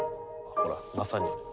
ほらまさに。